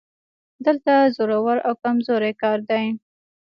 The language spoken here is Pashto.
دلته زورور او کمزوری کار دی